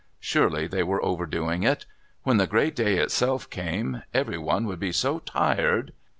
Surely they were overdoing it. When the great day itself came every one would be so tired....